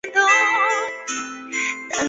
这里原本正式名称是布罗姆利。